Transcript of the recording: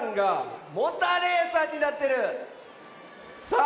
さあ